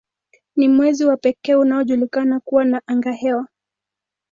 Ni mwezi wa pekee unaojulikana kuwa na angahewa.